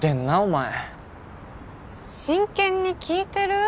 前真剣に聞いてる？